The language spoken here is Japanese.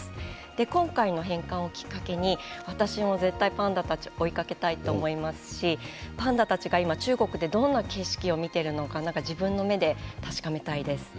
今回の返還をきっかけに私も絶対パンダたちを追いかけたいと思いますしパンダたちが中国でどんな景色を見ているのか自分の目で確かめたいです。